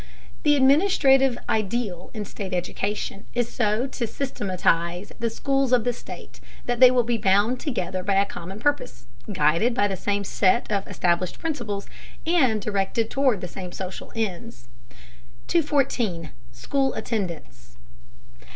The administrative ideal in state education is so to systematize the schools of the state that they will be bound together by a common purpose, guided by the same set of established principles, and directed toward the same social ends. 314. SCHOOL ATTENDANCE.